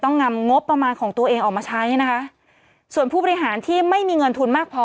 นำงบประมาณของตัวเองออกมาใช้นะคะส่วนผู้บริหารที่ไม่มีเงินทุนมากพอ